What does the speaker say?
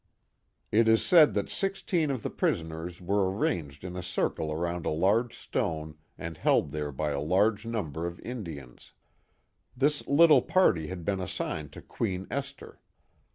It is said that sixteen of the prisoners were arranged in a circle around a large stone, and held there by a large number of Indians. This little party had been assigned to Queen Esther.